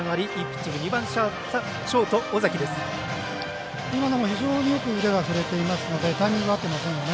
今のも非常によく腕が振れてますのでタイミング合ってませんよね。